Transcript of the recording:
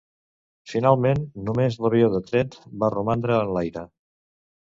Finalment, només l'avió de Trent va romandre en l'aire.